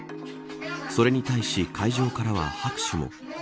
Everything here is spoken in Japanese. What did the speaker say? それに対し会場からは拍手も。